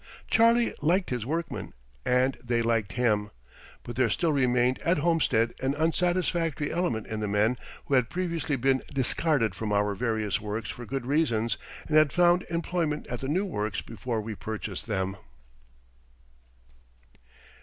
"Charlie" liked his workmen and they liked him; but there still remained at Homestead an unsatisfactory element in the men who had previously been discarded from our various works for good reasons and had found employment at the new works before we purchased them.